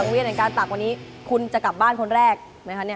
สังเวียในการตักวันนี้คุณจะกลับบ้านคนแรกนะคะเนี่ย